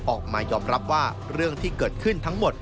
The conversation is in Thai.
ออกมายอมรับว่าเรื่องที่เกิดขึ้นทั้งหมด